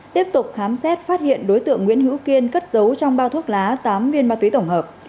tiếp tục khám xét phát hiện đối tượng nguyễn hữu kiên cất giấu trong bao thuốc lá tám viên ma túy tổng hợp